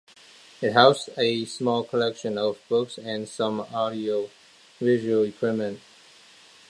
It housed a small collection of books and some audio-visual equipment.